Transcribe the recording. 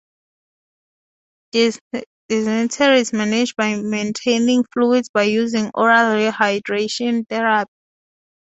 Dysentery is managed by maintaining fluids by using oral rehydration therapy.